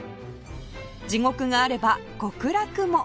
地獄があれば極楽も